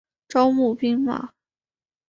招募兵马。